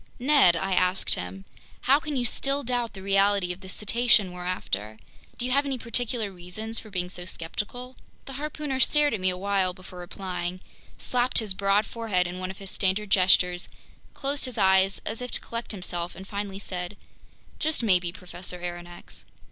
"Ned," I asked him, "how can you still doubt the reality of this cetacean we're after? Do you have any particular reasons for being so skeptical?" The harpooner stared at me awhile before replying, slapped his broad forehead in one of his standard gestures, closed his eyes as if to collect himself, and finally said: "Just maybe, Professor Aronnax."